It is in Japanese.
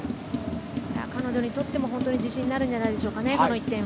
彼女にとっても自信になる１点になるんじゃないでしょうか。